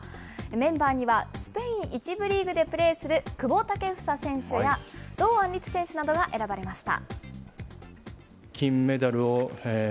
メンバーにはスペイン１部リーグでプレーする久保建英選手や、堂安律選手などが選ばれました。